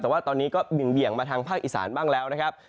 แต่ว่าตอนนี้ก็เบี่ยงมาทางภาคอีสานบ้างแล้วนะครับ